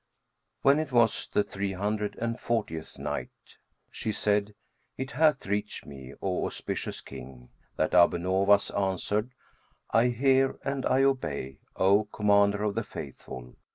When it was the Three Hundred and Fortieth Night, She said, it hath reached me, O auspicious King, that Abu Nowas answered, "I hear and I obey, O Commander of the Faithful!"